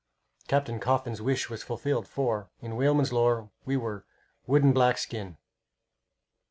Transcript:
Captain Coffin's wish was fulfilled, for, in whalemen's lore, we were "wood and black skin."